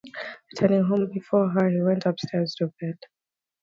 Returning home before her, he went upstairs to bed.